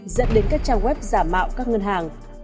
dẫn đến các trang web giả mạo các ngân hàng